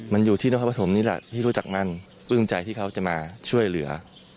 มันอยู่ที่นครปฐมนี่แหละที่รู้จักมันปลื้มใจที่เขาจะมาช่วยเหลือ